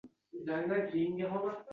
Hech kim bilan ishim yo‘g‘idi